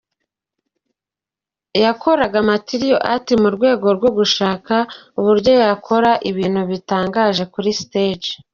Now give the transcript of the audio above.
Yakoraga martial arts mu rwego rwo gushaka uburyo yakora ibintu bitangaje kuri stage.